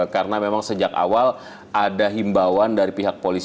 karena memang sejak awal ada himbauan dari pihak polisi